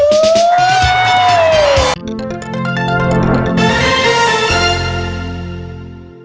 ลุงไข่หลั่นไข่ละพอลาลาเอ้าห่อให้ด้วย